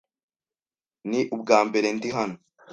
Ni ubwambere ndi hano.